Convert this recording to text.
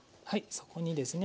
そこにですね